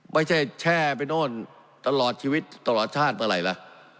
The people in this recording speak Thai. ไม่ใช่แช่ไปโน่นตลอดชีวิตตลอดชาติเป็นอะไรล่ะ